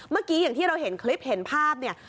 เมื่อกี้อย่างที่เราเห็นคลิปเห็นภาพเนี่ย